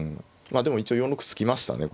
まあでも一応４六歩突きましたね